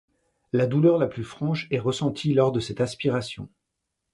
La douleur la plus franche est ressentie lors de cette aspiration.